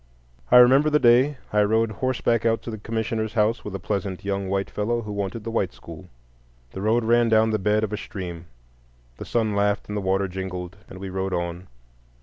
I remember the day I rode horseback out to the commissioner's house with a pleasant young white fellow who wanted the white school. The road ran down the bed of a stream; the sun laughed and the water jingled, and we rode on.